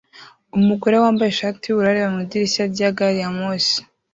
Umugore wambaye ishati yubururu areba mu idirishya rya gari ya moshi